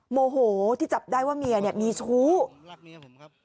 โมโหที่จับได้ว่าเมียเนี้ยมีชู้แบบนี้ครับผมครับ